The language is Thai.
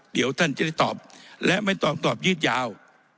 เดี๋ยวท่านจะได้ตอบและไม่ต้องตอบยืดยาว